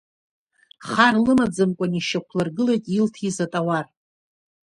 Хар лымаӡамкәан ишьақәлыргылеит илҭииз атауар.